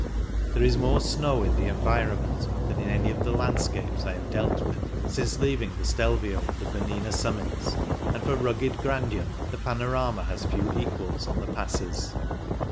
There is more snow in the environment than in any of the landscapes I have dealt with since leaving the Stelvio and the Bernina summits, and for rugged grandeur the panorama has few equals on the passes.